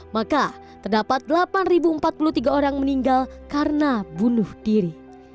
maka terdapat delapan empat puluh tiga orang meninggal karena bunuh diri